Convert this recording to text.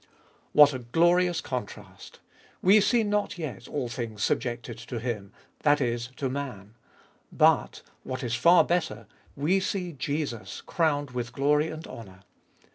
WHAT a glorious contrast ! We see not yet all things subjected to him, that is, to man : but — what is far better — we see Jesus crowned with glory and honour.